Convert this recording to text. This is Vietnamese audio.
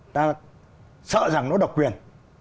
ta sợ rằng nó độc quyền